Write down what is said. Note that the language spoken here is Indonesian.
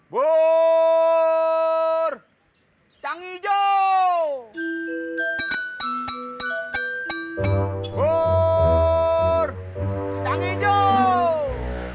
bur tangi jauh bur tangi jauh